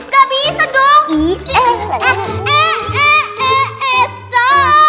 dikiranya aku itu pintunya itu apaan ya